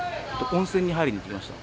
温泉に入りに行きました。